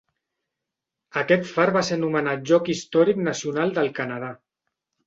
Aquest far va ser nomenat Lloc Històric Nacional del Canadà.